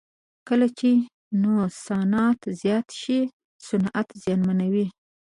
کله چې نوسانات زیات وي صنعتونه زیانمنوي.